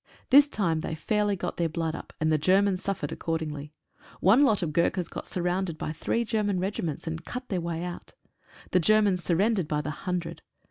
This time they fairly got their blood up, and the Germans suffered accordingly. One lot of Gurkhas got surrounded by three German regiments, and cut their way out. The Germans surrendered by the hundred.